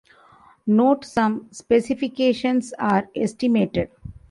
Note some specifications are estimated.